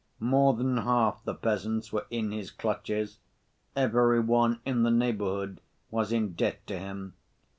More than half the peasants were in his clutches, every one in the neighborhood was in debt to him.